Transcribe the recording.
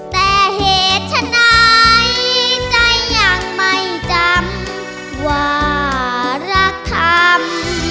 แต่เหตุฉะไหนใจยังไม่จำว่ารักธรรม